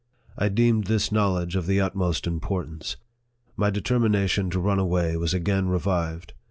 I deemed this knowledge of the utmost importance. My determina tion to run away was again revived.